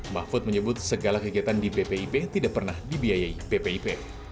mahfud menyebut segala kegiatan di bpip tidak pernah dibiayai bpip